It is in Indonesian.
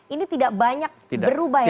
ini tidak banyak berubah ya